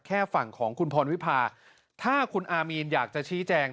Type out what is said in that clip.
ฝั่งของคุณพรวิพาถ้าคุณอามีนอยากจะชี้แจง